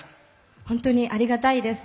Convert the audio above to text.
本当にありがたいですね。